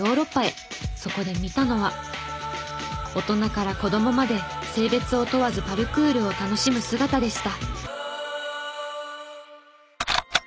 そこで見たのは大人から子供まで性別を問わずパルクールを楽しむ姿でした。